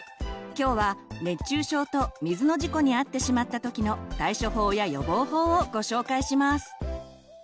今日は「熱中症」と「水の事故」に遭ってしまった時の対処法や予防法をご紹介します！